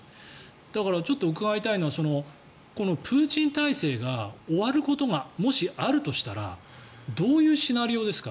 だから伺いたいのはプーチン体制が終わることがもしあるとしたらどういうシナリオですか。